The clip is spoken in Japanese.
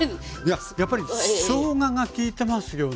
やっぱりしょうががきいてますよね。